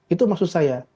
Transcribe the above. itu maksud saya